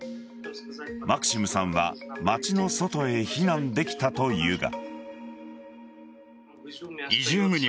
マクシムさんは街の外へ避難できたというが。